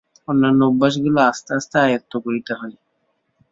অন্যান্য অভ্যাসগুলি আস্তে আস্তে আয়ত্ত করিতে হয়।